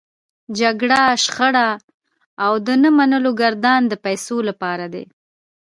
جګړه، شخړه او د نه منلو ګردان د پيسو لپاره دی.